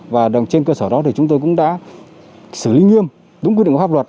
và trên cơ sở đó thì chúng tôi cũng đã xử lý nghiêm đúng quy định của pháp luật